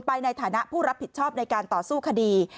ในฐานะผู้รับผิดชอบในการต่อสู้คดี